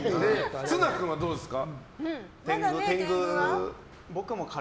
綱君はどうですか？